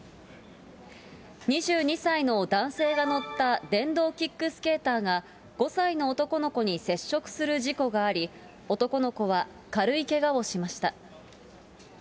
２２歳の男性が乗った電動キックスケーターが、５歳の男の子に接触する事故があり、男の子は軽いけがをしました。